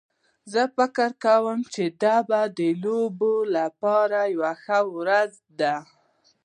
زه فکر کوم چې دا د لوبو لپاره یوه ښه ورځ ده